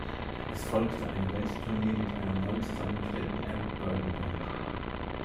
Es folgte eine Welttournee mit einer neu zusammengestellten Eric Burdon Band.